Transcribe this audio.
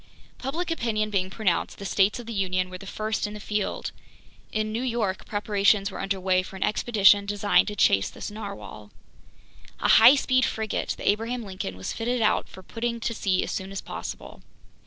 Public opinion being pronounced, the States of the Union were the first in the field. In New York preparations were under way for an expedition designed to chase this narwhale. A high speed frigate, the Abraham Lincoln, was fitted out for putting to sea as soon as possible.